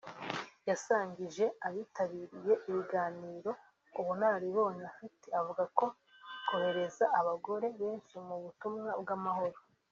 yasangije abitabiriye ibiganiro ubunararibonye afite avuga ko kohereza abagore benshi mu butumwa bw’amahoro